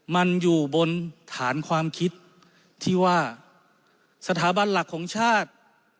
มันอยู่บนฐานความคิดที่ว่าสถาบันหลักของชาติ